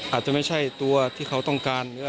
อาจจะไม่ใช่ตัวที่เขาต้องการ